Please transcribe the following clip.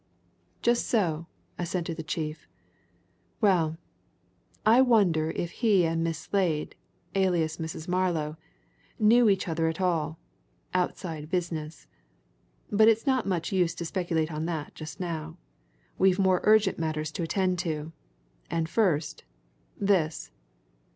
"Just so!" assented the chief. "Well, I wonder if he and Miss Slade, alias Mrs. Marlow, knew each other at all outside business? But it's not much use to speculate on that just now we've more urgent matters to attend to. And first this!"